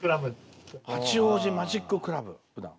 八王子マジッククラブ。